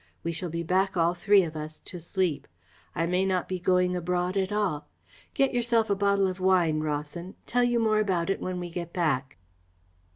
We shall be back, all three of us, to sleep. I may not be going abroad at all. Get yourself a bottle of wine, Rawson. Tell you more about it when we get back."